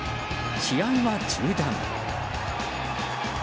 試合は中断。